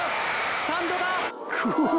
スタンドだ！